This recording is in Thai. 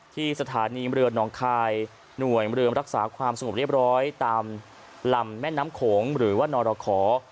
ที่สถานีเมืองคายหน่วยเรือรักษาความสงบเรียบร้อยตามลำแม่น้ำโขงหรือว่านรขอ